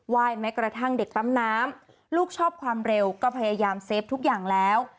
ยแม้กระทั่งเด็กปั๊มน้ำลูกชอบความเร็วก็พยายามเซฟทุกอย่างแล้ว